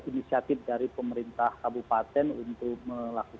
yang inisiatif dari pemerintah kabupaten dan pemerintah